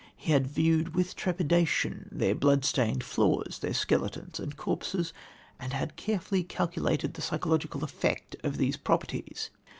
He had viewed with trepidation their blood stained floors, their skeletons and corpses, and had carefully calculated the psychological effect of these properties.